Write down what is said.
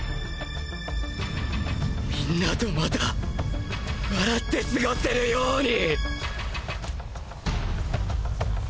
皆とまた笑って過ごせるように